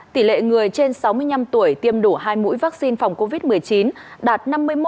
tỷ lệ người trên sáu mươi năm tuổi tiêm đủ hai mũi vaccine phòng covid một mươi chín đạt năm mươi một năm mươi chín